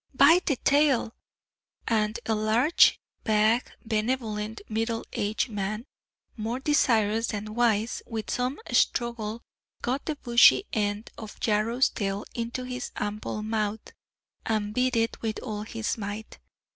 "Bite the tail!" and a large, vague, benevolent, middle aged man, more desirous than wise, with some struggle got the bushy end of Yarrow's tail into his ample mouth, and bit it with all his might.